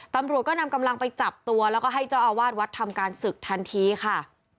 ตำรวจก็นำกำลังไปจับตัวแล้วก็ให้เจ้าอาวาสวัดทำการศึกทันทีค่ะ